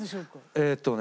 えっとね。